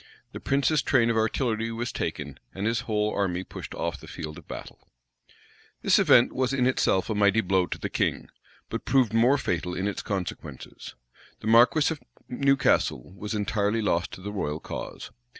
The prince's train of artillery was taken; and his whole army pushed off the field of battle.[*] * Rush. vol. vi. p. 632. Whitlocke, p. 89. This event was in itself a mighty blow to the king; but proved more fatal in its consequences. The marquis of Newcastle was entirely lost to the royal cause.